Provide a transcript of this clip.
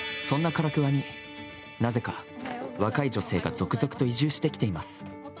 そんな唐桑に、なぜか若い女性が続々と移住してきています。